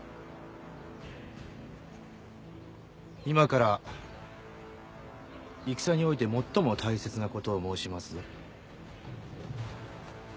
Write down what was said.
今から戦において最も大切なことを申しますぞ。